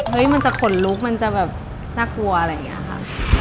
มันจะขนลุกมันจะแบบน่ากลัวอะไรอย่างนี้ค่ะ